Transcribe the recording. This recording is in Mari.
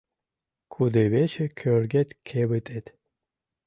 Кудывече кӧргет кевытет.